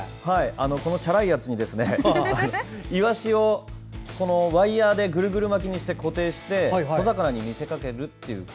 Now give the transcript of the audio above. このチャラいやつにイワシをワイヤーでぐるぐる巻きにして固定して小魚に見せかけるという。